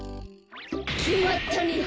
きまったね。